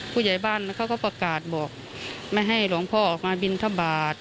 ผู้ใหญ่บ้านเขาก็ประกาศบอกไม่ให้หลวงพ่อออกมาบินทบาท